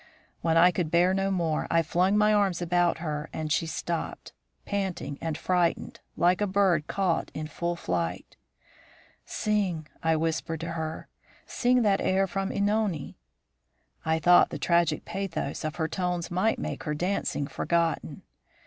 When I could bear no more, I flung my arms about her and she stopped, panting and frightened, like a bird caught in full flight. 'Sing,' I whispered to her; 'sing that air from Ænone'. I thought the tragic pathos of her tones might make her dancing forgotten.